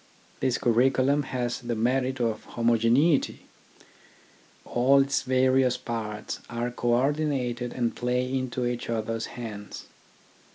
This curriculum has the merit of homogeneity. All its various parts are co ordinated and play into each other's hands.